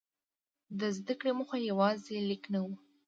د زده کړې موخه یوازې لیک نه وه.